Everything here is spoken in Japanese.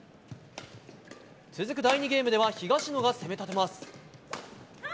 続く第２ゲームでは東野が攻め立てます。